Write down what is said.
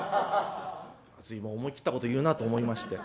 随分思い切ったこと言うなと思いまして。